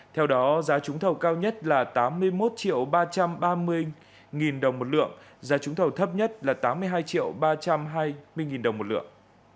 theo đó giá trúng thầu cao nhất là tám mươi một ba trăm ba mươi đồng một lượng giá trúng thầu thấp nhất là tám mươi hai ba trăm hai mươi đồng một lượng